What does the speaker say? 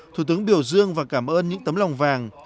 thủ tướng biểu dương và cảm ơn những tấm lòng vàng